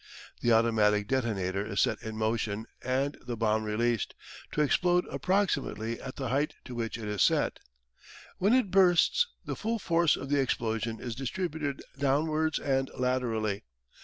The automatic detonator is set in motion and the bomb released to explode approximately at the height to which it is set. When it bursts the full force of the explosion is distributed downwards and laterally.